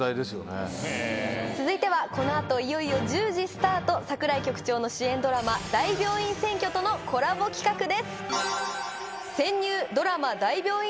続いてはこの後いよいよ１０時スタート櫻井局長の主演ドラマ『大病院占拠』とのコラボ企画です。